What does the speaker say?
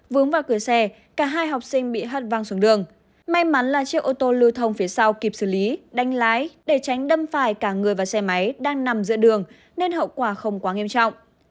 vướng vào cửa xe cả hai học sinh bị hất văng xuống đường may mắn là chiếc ô tô lưu thông phía sau kịp xử lý đánh lái để tránh đâm phải cả người và xe máy đang nằm giữa đường nên hậu quả không quá nghiêm trọng